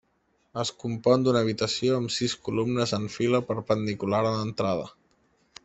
Es compon d'una habitació amb sis columnes en fila perpendicular a l'entrada.